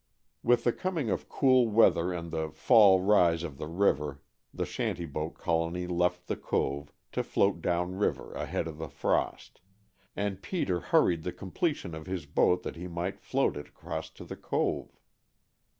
With the coming of cool weather and the "fall rise" of the river the shanty boat colony left the cove, to float down river ahead of the frost, and Peter hurried the completion of his boat that he might float it across to the cove.